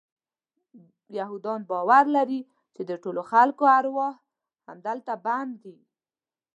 یهودان باور لري چې د ټولو خلکو ارواح همدلته بند دي.